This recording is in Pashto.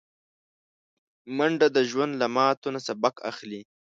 منډه د ژوند له ماتو نه سبق اخلي